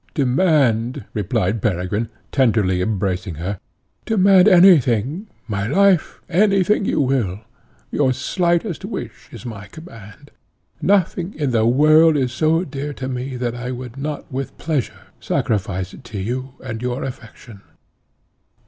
"Demand," replied Peregrine, tenderly embracing her, "demand any thing, my life, any thing you will; your slightest wish is my command. Nothing in the world is so dear to me that I would not with pleasure sacrifice it to you and your affection."